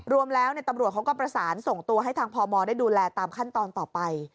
รวมแล้วตำรวจเขาก็ประสานส่งตัวให้ทางพมได้ดูแลตามขั้นตอนต่อไป